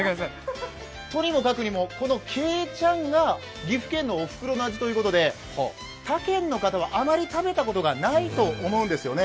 とにもかくにも、このけいちゃんが岐阜県のおふくろの味ということで他県の方はあまり食べたことがないと思うんですよね。